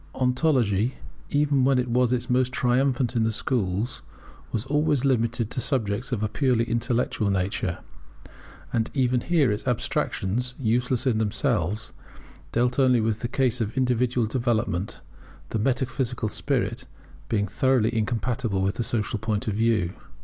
Ontology, even when it was most triumphant in the schools, was always limited to subjects of a purely intellectual nature; and even here its abstractions, useless in themselves, dealt only with the case of individual development, the metaphysical spirit being thoroughly incompatible with the social point of view.